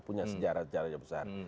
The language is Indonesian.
punya sejarah sejarah besar